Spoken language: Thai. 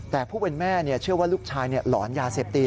แต่ผู้เป็นแม่เชื่อว่าลูกชายหลอนยาเสพติด